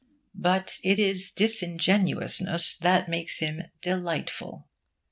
But it is disingenuousness that makes him delightful.